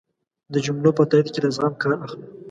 د جملو په تایېد کی له زغم کار اخله